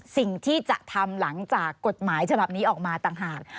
สิ่งที่จะทำหลังจากกฎหมายฉบับนี้ออกมาต่างหาก